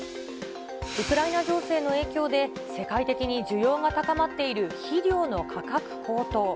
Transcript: ウクライナ情勢の影響で、世界的に需要が高まっている肥料の価格高騰。